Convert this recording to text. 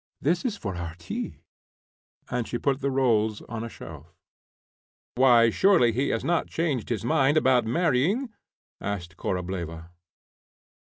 "This is for our tea," and she put the rolls on a shelf. "Why, surely he has not changed his mind about marrying?" asked Korableva.